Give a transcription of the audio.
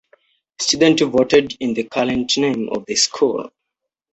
Students voted in the current name of the school.